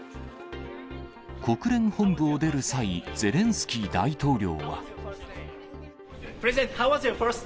国連本部を出る際、ゼレンスキー大統領は。